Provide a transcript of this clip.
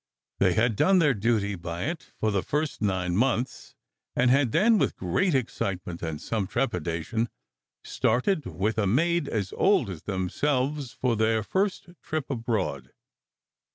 They had done their duty by it for the first nine months, and had then, with great excitement and some trepidation, started with a maid as old as themselves for their first trip abroad.